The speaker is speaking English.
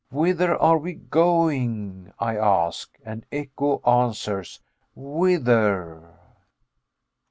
Whither are we going, I ask? and echo answers, Whither?